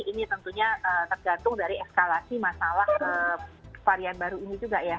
ini tentunya tergantung dari eskalasi masalah varian baru ini juga ya